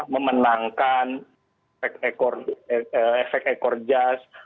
memenangkan efek ekor jas